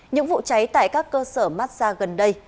những vụ cháy tại các cơ sở massage gần đây